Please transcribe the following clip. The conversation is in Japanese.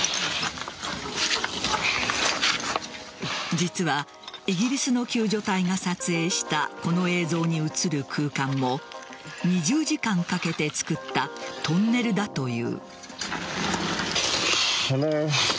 実はイギリスの救助隊が撮影したこの映像に映る空間も２０時間かけて作ったトンネルだという。